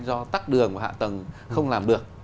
do tắc đường và hạ tầng không làm được